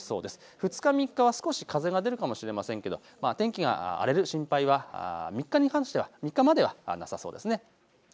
２日、３日は少し風が出るかもしれませんけど天気が荒れる心配は３日まではなさそうですね。